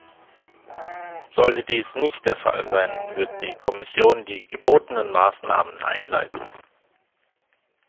Sollte dies nicht der Fall sein, wird die Kommission die gebotenen Maßnahmen einleiten.